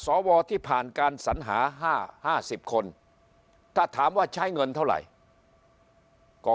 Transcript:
สวที่ผ่านการสัญหา๕๐คนถ้าถามว่าใช้เงินเท่าไหร่ก็